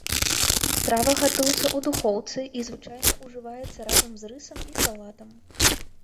Страва гатуецца ў духоўцы і звычайна ўжываецца разам з рысам і салатам.